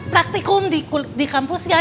praktikum di kampusnya